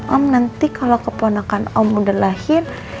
om nanti kalau ke ponakan om udah lahir